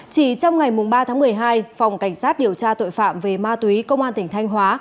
chỉ trong ngày ba tháng một mươi hai phòng cảnh sát điều tra tội phạm về ma túy công an tỉnh thanh hóa